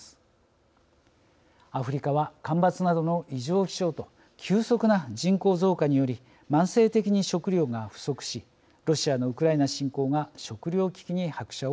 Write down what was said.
アフリカは干ばつなどの異常気象と急速な人口増加により慢性的に食料が不足しロシアのウクライナ侵攻が食料危機に拍車をかけました。